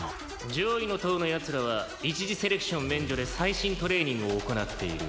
「上位の棟の奴らは一次セレクション免除で最新トレーニングを行っている」